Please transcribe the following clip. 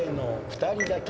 「二人だけ」